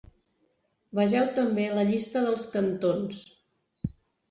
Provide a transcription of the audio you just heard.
Vegeu també la llista dels cantons.